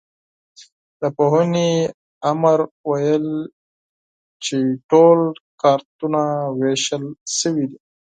د پوهنې امر ویل چې ټول کارتونه وېشل شوي دي.